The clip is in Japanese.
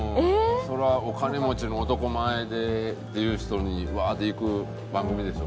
それはお金持ちの男前でっていう人にうわーっていく番組でしょ？